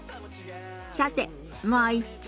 さてもう一通。